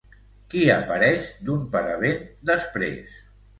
Qui apareix d'un paravent després?